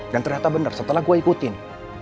dan ternyata bener setelah gue ikutin